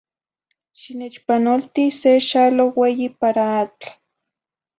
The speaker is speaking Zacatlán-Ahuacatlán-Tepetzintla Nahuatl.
Xinechpanolti se xalo ueyi para atl.